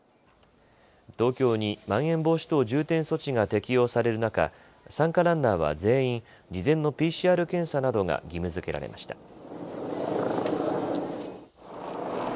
東京にまん延防止等重点措置が適用される中、参加ランナーは全員事前のＰＣＲ検査などが義務づけられました。